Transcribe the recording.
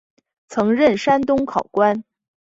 曾任山东考官。